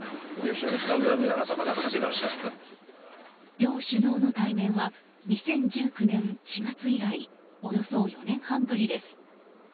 両首脳の対面は２０１９年４月以来およそ４年半ぶりです。